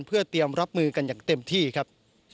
เพื่อเตรียมรับมือกันอย่างเต็มที่ครับ